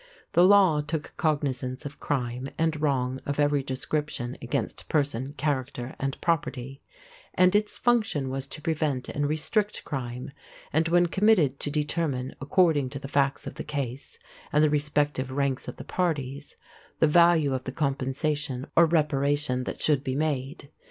The law took cognizance of crime and wrong of every description against person, character, and property; and its function was to prevent and restrict crime, and when committed to determine, according to the facts of the case and the respective ranks of the parties, the value of the compensation or reparation that should be made.